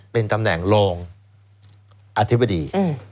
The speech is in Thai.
เป็นตำแหน่งรองอธิบดี